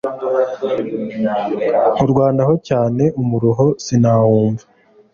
nkurwanaho cyane umuruho sinawumva